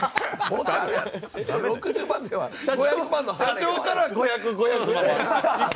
社長から５００５００６０で。